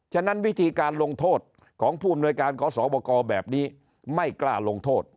ฉะนั้นวิธีการลงโทษของผู้อำนวยการขอสอบกแบบนี้ไม่กล้าลงโทษ